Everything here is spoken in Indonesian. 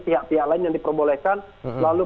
pihak pihak lain yang diperbolehkan lalu